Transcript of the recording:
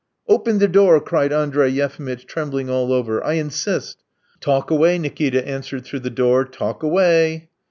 "Open the door," cried Andrey Yefimitch, trembling all over; "I insist!" "Talk away!" Nikita answered through the door, "talk away.